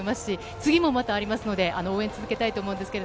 次もまたありますので、応援を続けたいと思います。